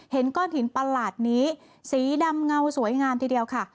เห็นก้อนหินประหลาดนี้สีดำเงาสวยงามทีเดียวค่ะ